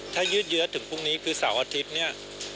ถ้ายืดเยอะถึงพรุ่งนี้คือเสาร์อาทิตย์เนี่ย